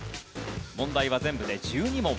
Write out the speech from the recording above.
問題は全部で１２問。